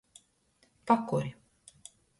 Pakuri.